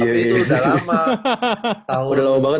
tapi itu udah lama